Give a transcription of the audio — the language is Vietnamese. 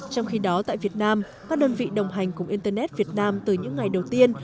trong khi đó tại việt nam các đơn vị đồng hành cùng internet việt nam từ những ngày đầu tiên